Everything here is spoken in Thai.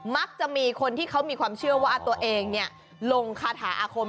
มักจะมีคนที่เขามีความเชื่อว่าตัวเองลงคาถาอาคม